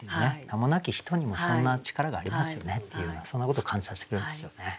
名もなき人にもそんな力がありますよねっていうようなそんなことを感じさせてくれますよね。